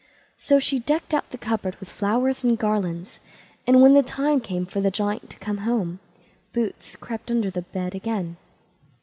So she decked out the cupboard with flowers and garlands, and when the time came for the Giant to come home, Boots crept under the bed again.